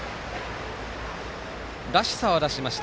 らしさは出しました。